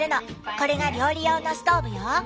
これが料理用のストーブよ。